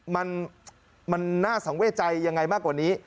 มันน่าสังเวทใจยังไงมากกว่านี้